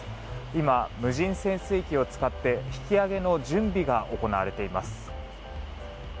今、無人潜水機を使って引き揚げの準備が行われています。